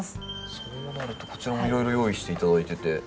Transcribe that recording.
そうなるとこちらもいろいろ用意して頂いてて。